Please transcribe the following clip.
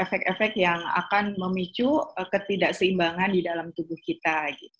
efek efek yang akan memicu ketidakseimbangan di dalam tubuh kita